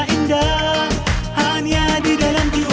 ustaz pamit dulu assalamu'alaikum